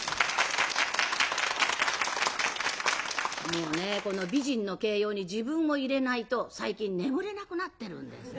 もうねこの美人の形容に自分を入れないと最近眠れなくなってるんです。